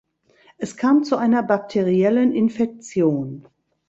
Es kam zu einer bakteriellen Infektion.